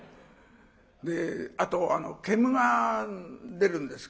あと煙が出るんです。